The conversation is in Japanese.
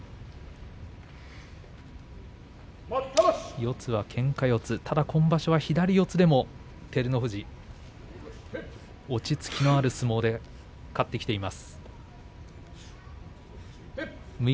四つはけんか四つ、ただ今場所は左四つでも、照ノ富士落ち着きのある相撲で勝ってきています。